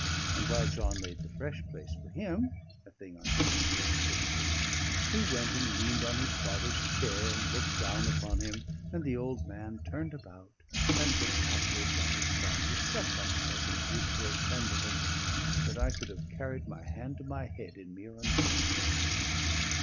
And while John laid the fresh place for him (a thing on which he still insisted), he went and leaned on his father's chair and looked down upon him, and the old man turned about and looked upwards on his son, with such a pleasant mutual tenderness that I could have carried my hand to my head in mere amazement.